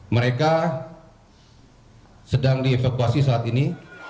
mereka sedang dievakuasi saat ini